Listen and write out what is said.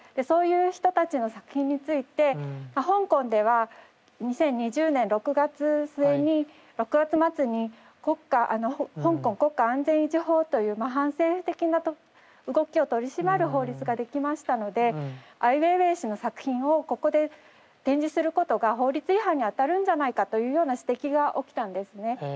そういう人たちの作品について香港では２０２０年６月末に香港国家安全維持法という反政府的な動きを取り締まる法律ができましたのでアイウェイウェイ氏の作品をここで展示することが法律違反にあたるんじゃないかというような指摘が起きたんですね。